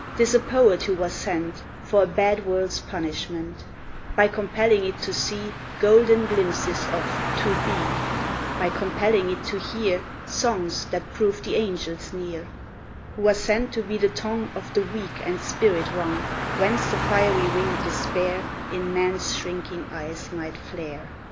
'Tis a poet who was sent For a bad world's punishment, By compelling it to see Golden glimpses of To Be, By compelling it to hear Songs that prove the angels near; Who was sent to be the tongue Of the weak and spirit wrung, Whence the fiery winged Despair In men's shrinking eyes might flare.